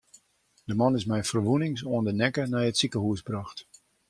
De man is mei ferwûnings oan de nekke nei it sikehûs brocht.